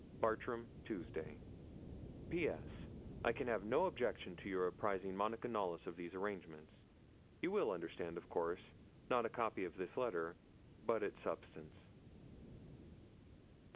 'Bartram, Tuesday. 'P.S. I can have no objection to your apprising Monica Knollys of these arrangements. You will understand, of course, not a copy of this letter, but its substance.'